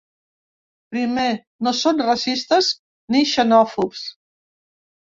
Primer, no són racistes ni xenòfobs.